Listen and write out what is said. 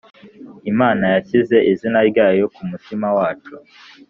Imana yashyize izina ryayo ku mutima wacu